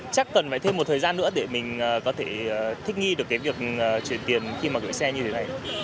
chắc cần phải thêm một thời gian nữa để mình có thể thích nghi được cái việc chuyển tiền khi mà gửi xe như thế này